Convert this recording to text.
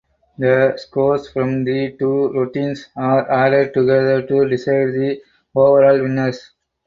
The scores from the two routines are added together to decide the overall winners.